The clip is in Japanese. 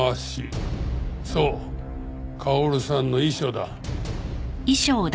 そう薫さんの遺書だ。